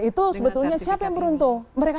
itu sebetulnya siapa yang beruntung mereka